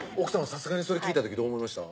さすがにそれ聞いた時どう思いました？